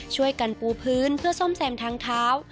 ช่วยกันปูพื้นเพื่อซ่อมแซมทางเท้า